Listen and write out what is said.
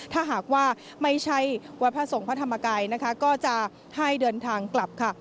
ถ้าหากว่าไม่ใช่วัดพระสงฆ์พระธรรมกายนะคะก็จะให้เดินทางกลับค่ะ